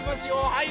はい。